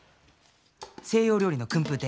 西洋料理の薫風亭